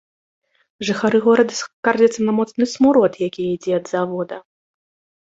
Жыхары горада скардзяцца на моцны смурод, які ідзе ад завода.